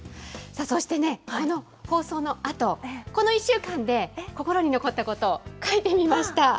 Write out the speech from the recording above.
そしてこの放送のあと、この１週間で、心に残ったことを描いてみました。